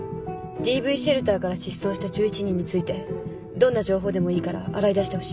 ＤＶシェルターから失踪した１１人についてどんな情報でもいいから洗いだしてほしい。